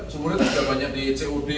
semuritnya sudah banyak di cud